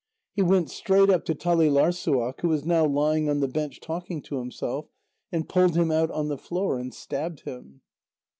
He went straight up to Talîlarssuaq, who was now lying on the bench talking to himself, and pulled him out on the floor and stabbed him.